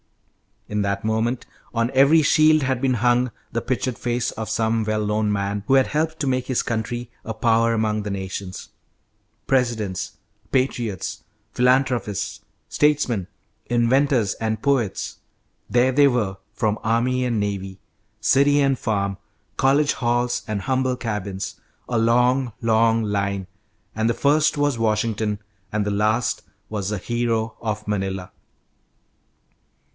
In that moment, on every shield had been hung the pictured face of some well known man who had helped to make his country a power among the nations; presidents, patriots, philanthropists, statesmen, inventors, and poets, there they were, from army and navy, city and farm, college halls and humble cabins, a long, long line, and the first was Washington, and the last was the "Hero of Manila."